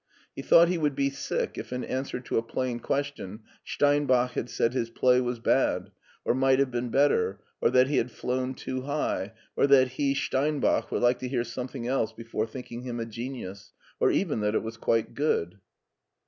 He thought he would be sick if in answer to a plain question Steinbach had said his play was bad, or might have been better, or that he had flown too high, or that he, Steinbach, would like to hear something else before thinking him a genius, or even that it was quite good.